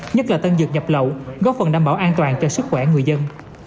nhất là tân dược nhập lậu góp phần đảm bảo an toàn cho sức khỏe người dân